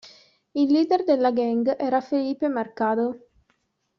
Il leader della gang era Felipe Mercado.